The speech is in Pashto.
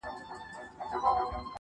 چي هر څو یې وو خپل عقل ځغلولی -